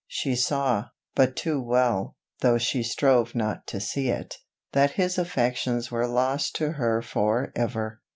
She saw, but too well, though she strove not to see, that his affections were lost to her for ever.